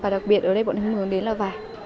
và đặc biệt ở đây bọn em hướng đến là vải